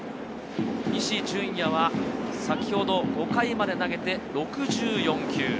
西純矢は先ほど５回まで投げて６４球。